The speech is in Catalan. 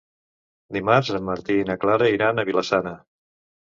Dimarts en Martí i na Clara iran a Vila-sana.